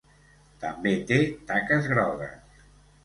També té taques grogues.